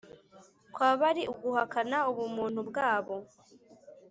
kwaba ari uguhakana ubumuntu bwabo.